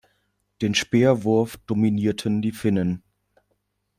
Den Speerwurf dominierten die Finnen.